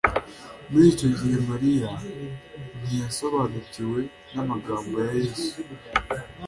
Muri icyo gihe Mariya ntiyasobanukiwe n'amagambo ya Yesu,